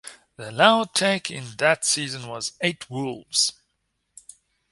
The allowed take in that season was eight wolves.